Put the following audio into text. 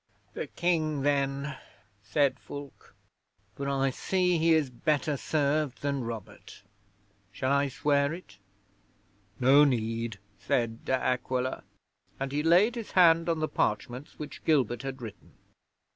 '"The King, then," said Fulke, "for I see he is better served than Robert. Shall I swear it?" '"No need," said De Aquila, and he laid his hand on the parchments which Gilbert had written.